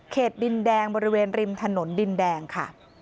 ดินแดงบริเวณริมถนนดินแดงค่ะ